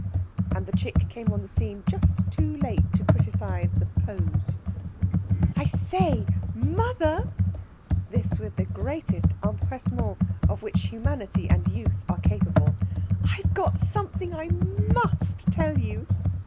And the chick came on the scene just too late to criticise the pose. "I say, mother!" this with the greatest empressement of which humanity and youth are capable. "I've got something I must tell you!"